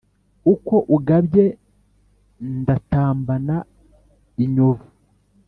Uko ugabye ndatambana inyovu.